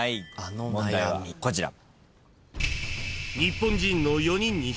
問題はこちら。